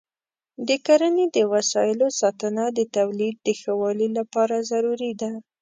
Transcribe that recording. د کرنې د وسایلو ساتنه د تولید د ښه والي لپاره ضروري ده.